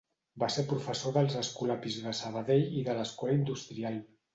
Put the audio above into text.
Va ser professor dels Escolapis de Sabadell i de l'Escola Industrial.